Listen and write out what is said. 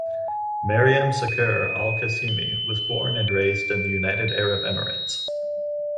Maryam Saqer Al Qasimi was born and raised in the United Arab Emirates.